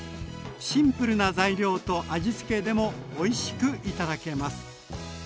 シンプルな材料と味付けでもおいしくいただけます。